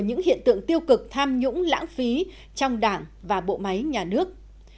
những hiện tượng tiêu cực tham nhũng lãng phí trong đảng và bộ máy nhà nước